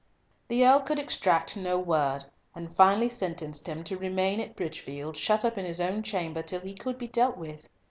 The Earl could extract no word, and finally sentenced him to remain at Bridgefield, shut up in his own chamber till he could be dealt with.